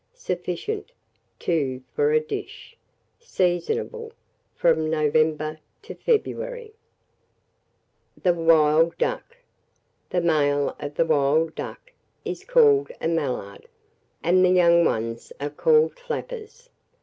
Sufficient, 2 for a dish. Seasonable from November to February. [Illustration: THE WILD DUCK.] THE WILD DUCK. The male of the wild dock is called a mallard; and the young ones are called flappers.